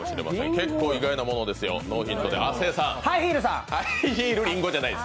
結構、意外なものですよノーヒントで。